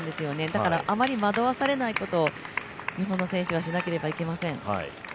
だからあまり惑わされないことを日本の選手はしないといけません。